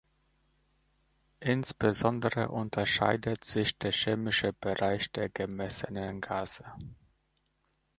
Insbesondere unterscheidet sich der chemische Bereich der gemessenen Gase.